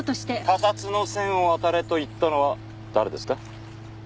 他殺の線を当たれと言ったのは誰ですか？